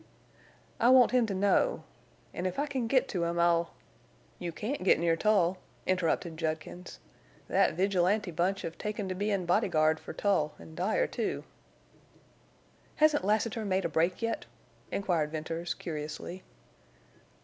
"I want him to know. An' if I can get to him I'll—" "You can't get near Tull," interrupted Judkins. "Thet vigilante bunch hev taken to bein' bodyguard for Tull an' Dyer, too." "Hasn't Lassiter made a break yet?" inquired Venters, curiously.